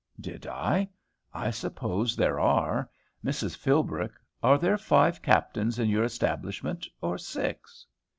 Did I? I suppose there are. "Mrs. Philbrick, are there five captains in your establishment, or six?"